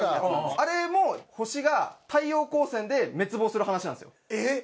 あれも星が太陽光線で滅亡する話なんですよ。えっ！